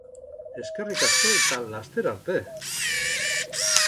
Eskerrik asko eta laster arte!